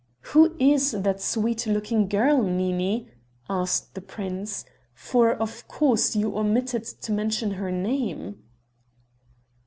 "Who is that sweet looking girl, Nini?" asked the prince, "for, of course, you omitted to mention her name."